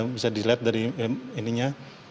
bisa dilihat dari ininya